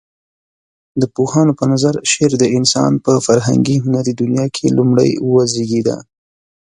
د پوهانو په نظر شعر د انسان په فرهنګي هنري دنيا کې لومړى وزيږيده.